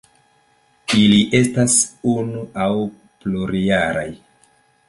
Ili estas unu aŭ plurjaraj.